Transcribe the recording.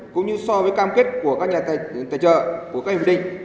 cũng như so với cam kết của các nhà tài trợ của các hiệp định